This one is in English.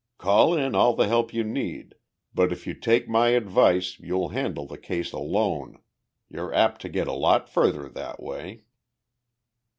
Call in all the help you need, but if you take my advice you'll handle the case alone. You're apt to get a lot further that way."